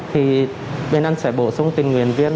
thì bên anh sẽ bổ sung tình nguyện viên